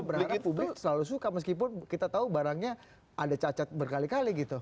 berarti publik selalu suka meskipun kita tahu barangnya ada cacat berkali kali gitu